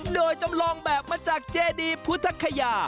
โดยจำลองแบบมาจากเจดีพุทธคยา